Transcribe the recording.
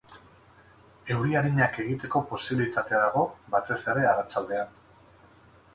Euri arinak egiteko posibilitatea dago, batez ere arratsaldean.